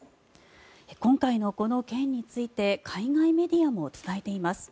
今回のこの件について海外メディアも伝えています。